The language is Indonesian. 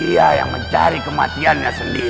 iya yang mencari kematiannya sendiri